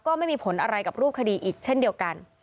ก็ไม่มีผลอะไรกับรูปคดีอีกเช่นเดียวกัน